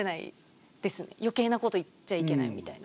よけいなこと言っちゃいけないみたいな。